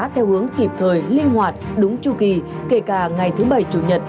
theo hướng kịp thời linh hoạt đúng chu kỳ kể cả ngày thứ bảy chủ nhật